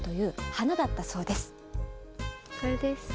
これです。